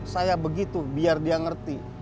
saya begitu biar dia ngerti